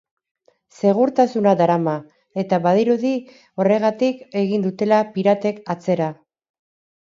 Segurtasuna darama, eta badirudi horregatik egin dutela piratek atzera.